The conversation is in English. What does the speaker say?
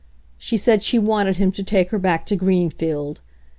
She said she wanted him to take her back to Greenfield.